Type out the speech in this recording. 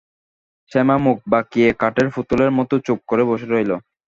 শ্যামা মুখ বাঁকিয়ে কাঠের পুতুলের মতো চুপ করে বসে রইল।